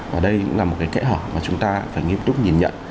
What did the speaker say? và đây cũng là một cái kẽ hở mà chúng ta phải nghiêm túc nhìn nhận